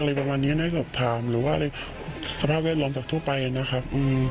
อะไรประมาณนี้นะสำหรับถามหรือว่าสภาพแวดล้อมจากทั่วไปนะครับ